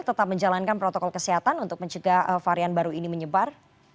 tetap menjalankan protokol kesehatan untuk mencegah varian baru ini menyebar